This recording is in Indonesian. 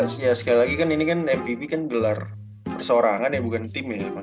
cuman ya sekali lagi kan ini kan mvp gelar persoorangan ya bukan tim ya